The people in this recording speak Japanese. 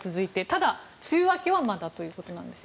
ただ、梅雨明けはまだということです。